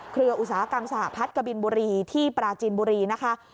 อุตสาหกรรมสหพัฒน์กบินบุรีที่ปราจีนบุรีนะคะ